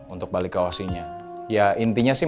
untuk balik ke osinya ya intinya sih